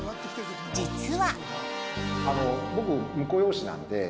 実は。